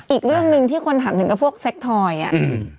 อีกเรื่องหนึ่งที่คนถามถึงกับพวกแซ็กทอยอ่ะอืม